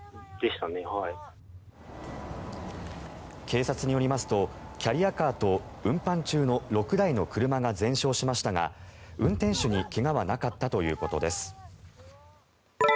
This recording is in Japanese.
警察によりますとキャリアカーと運搬中の６台の車が全焼しましたが、運転手に怪我はなかったということです。